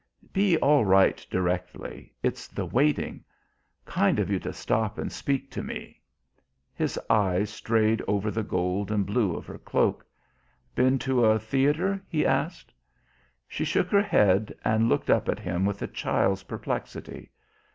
"Be all right directly. It's the waiting. Kind of you to stop and speak to me." His eyes strayed over the gold and blue of her cloak. "Been to a theatre?" he asked. She shook her head and looked up at him with a child's perplexity.